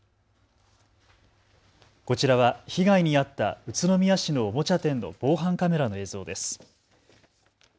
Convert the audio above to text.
こちらは被害に遭った宇都宮市のおもちゃ店の防犯カメラの映像です。